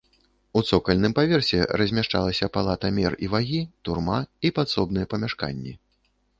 У цокальным паверсе размяшчалася палата мер і вагі, турма і падсобныя памяшканні.